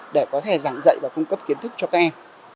để có thể giảng dạy và cung cấp kiến thức cho các em